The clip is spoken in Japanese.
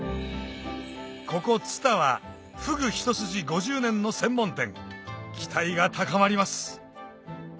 ここ蔦はフグ一筋５０年の専門店期待が高まります